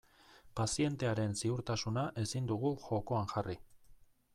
Pazientearen ziurtasuna ezin dugu jokoan jarri.